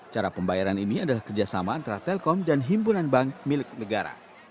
cara pembayaran ini adalah kerjasama antara telkom dan himpunan bank milik negara